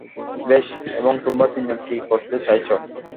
বেশ, এবং তোমরা তিনজন কি করতে চাইছ?